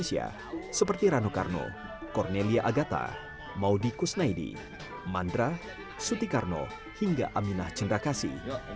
seperti rano karno cornelia agata maudi kusnaidi mandra sutikarno hingga aminah cendakasi